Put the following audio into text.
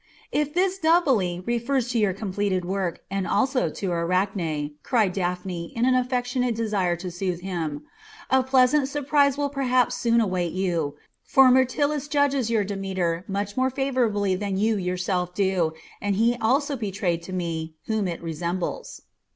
"If this 'doubly' refers to your completed work, and also to the Arachne," cried Daphne in the affectionate desire to soothe him, "a pleasant surprise will perhaps soon await you, for Myrtilus judges your Demeter much more favourably than you yourself do, and he also betrayed to me whom it resembles."